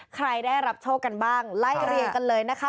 ใครได้รับโชคกันบ้างไล่เรียงกันเลยนะคะ